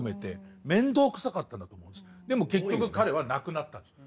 でも結局彼は亡くなったんです。